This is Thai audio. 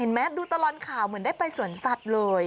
เห็นไหมดูตลอนข่าวเหมือนได้ไปสวนสัตว์เลย